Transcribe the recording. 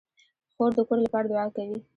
خور د کور لپاره دعا کوي.